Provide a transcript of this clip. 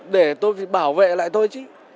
để tôi phải bảo vệ lại thôi chứ